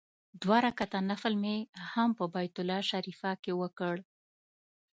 دوه رکعاته نفل مې هم په بیت الله شریفه کې وکړ.